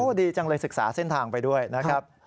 ดีจังเลยศึกษาเส้นทางไปด้วยนะครับ